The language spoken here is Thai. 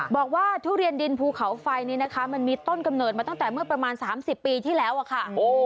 ทุเรียนดินภูเขาไฟนี้นะคะมันมีต้นกำเนิดมาตั้งแต่เมื่อประมาณ๓๐ปีที่แล้วอะค่ะ